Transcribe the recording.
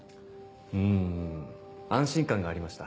うん安心感がありました。